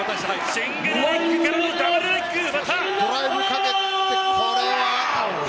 シングルレッグからのダブルレッグ。